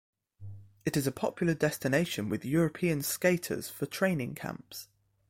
It is a popular destination with European skaters for training camps.